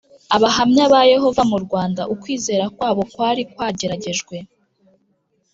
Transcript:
abahamya ba Yehova mu Rwanda Ukwizera kwabo kwari kwageragejwe